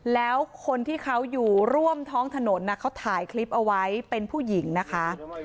แล้วคนที่เขาอยู่ร่วมท้องถนนเขาถ่ายคลิปเอาไว้เป็นผู้หญิงนะคะ